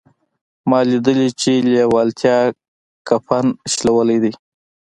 ما ليدلي چې لېوالتیا کفن شلولی دی.